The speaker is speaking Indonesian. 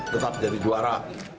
tetap jadi juara